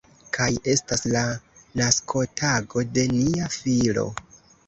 Kaj estas la naskotago de nia filo.